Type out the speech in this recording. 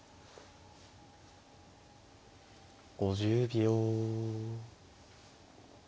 ５０秒。